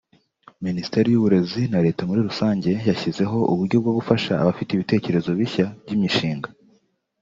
Minisiteri y’uburezi na Leta muri rusange yashyizeho uburyo bwo gufasha abafite ibitekerezo bishya by’imishinga